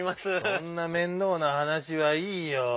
そんな面倒なはなしはいいよ。